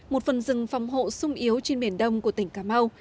một phần rừng phòng hộ sung yếu trên biển đông của tỉnh cà mau